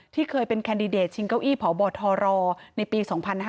เคยเป็นแคนดิเดตชิงเก้าอี้พบทรในปี๒๕๕๙